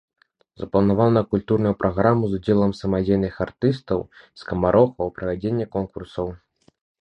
Запланаваная культурная праграма з удзелам самадзейных артыстаў, скамарохаў, правядзенне конкурсаў.